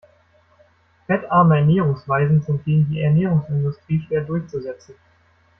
Fettarme Ernährungsweisen sind gegen die Ernährungsindustrie schwer durchzusetzen.